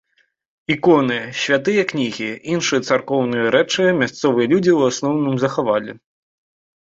Іконы, святыя кнігі, іншыя царкоўныя рэчы мясцовыя людзі ў асноўным захавалі.